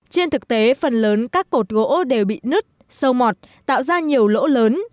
trên thực tế phần lớn các cột gỗ đều bị nứt sâu mọt tạo ra nhiều lỗ lớn